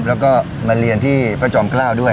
แล้วก็มาเรียนที่พระจอมเกล้าด้วย